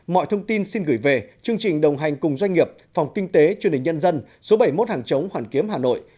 mọi thông tin xin gửi về chương trình đồng hành cùng doanh nghiệp phòng kinh tế truyền hình nhân dân số bảy mươi một hàng chống hoàn kiếm hà nội